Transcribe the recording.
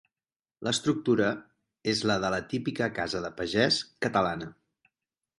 L'estructura és la de la típica casa de pagès catalana.